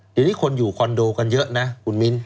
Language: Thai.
เดี๋ยวนี้คนอยู่คอนโดกันเยอะนะคุณมิ้น